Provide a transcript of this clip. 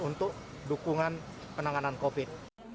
untuk dukungan penanganan covid